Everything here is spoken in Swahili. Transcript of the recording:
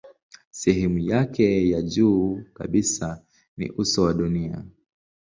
Sehemu yake ya juu kabisa ni uso wa dunia.